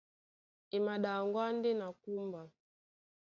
E maɗaŋgwá ndé na kúmba.